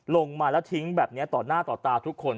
ลงมาแล้วทิ้งแบบนี้ต่อหน้าต่อตาทุกคน